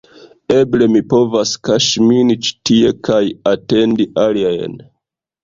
Eble, mi povas kaŝi min ĉi tie kaj atendi aliajn